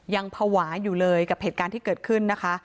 ยังภาวะอยู่เลยกับเหตุการณ์ที่เกิดขึ้นนะคะ